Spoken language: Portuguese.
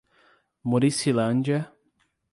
Muricilândia